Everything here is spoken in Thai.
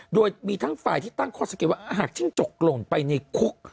โดยมีทั้งฝ่ายที่ตั้งข้อสังเกตว่าหากจิ้งจกหล่นไปในคุก